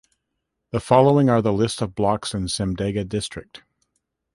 The following are the list of blocks in Simdega district.